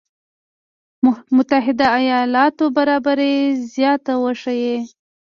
متحده ایالاتو برابري زياته وښيي.